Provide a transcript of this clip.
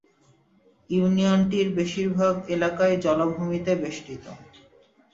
ইউনিয়নটির বেশিরভাগ এলাকাই জলাভূমিতে বেষ্টিত।